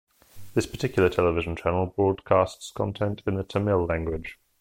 This particular television channel broadcasts content in the Tamil language.